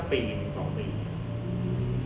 มันประกอบกันแต่ว่าอย่างนี้แห่งที่